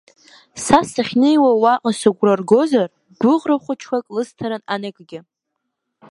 Са сахьнеиуа уаҟа сыгәра ргозар, гәыӷра хәыҷқәак лысҭарын аныкгьы.